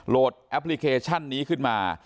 แอปพลิเคชันนี้ขึ้นมา